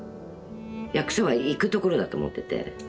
役所は行くところだと思ってて。